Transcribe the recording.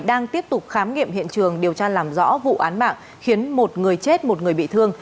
đang tiếp tục khám nghiệm hiện trường điều tra làm rõ vụ án mạng khiến một người chết một người bị thương